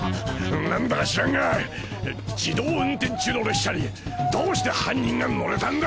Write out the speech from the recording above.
何だか知らんが自動運転中の列車にどうして犯人が乗れたんだ？